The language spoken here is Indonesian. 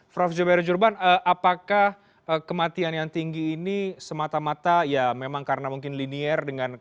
prof joberi jurban apakah kematian yang tinggi ini semata mata ya memang karena mungkin linier